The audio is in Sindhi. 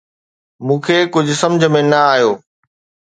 مون کي ڪجهه سمجهه ۾ نه آيو